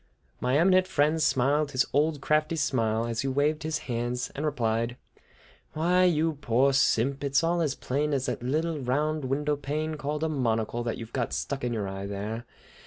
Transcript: My eminent friend smiled his old crafty smile, as he waved his hands, and replied: "Why, you poor simp, it's all as plain as that little round window pane called a monocle that you've got stuck in your eye there.